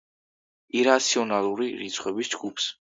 ირაციონალური რიცხვების ჯგუფს.